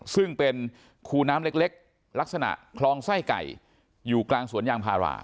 ซึ่งเป็นคูน้ำเล็กลักษณะคลองไส้ไก่อยู่กลางสวนยางพารา